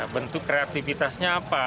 bentuk kreativitasnya apa